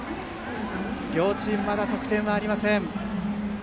両チーム、まだ得点はありません。